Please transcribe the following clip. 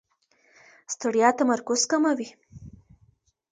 ستړیا تمرکز کموي.